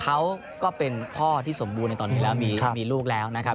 เขาก็เป็นพ่อที่สมบูรณ์ในตอนนี้แล้วมีลูกแล้วนะครับ